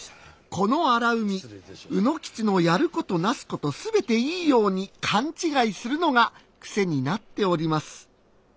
この荒海卯之吉のやることなすことすべていいように勘違いするのが癖になっております。